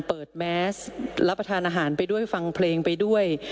แมสรับประทานอาหารไปด้วยฟังเพลงไปด้วย